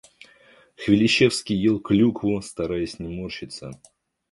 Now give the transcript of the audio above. Хвилищевский ел клюкву, стараясь не морщиться.